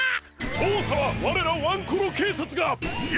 そうさはわれらワンコロけいさつが！いや！